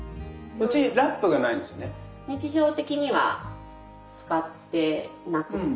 日常的には使ってなくて。